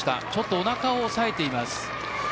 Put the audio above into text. おなかを押さえています。